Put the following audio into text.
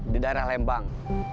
di daerah lembang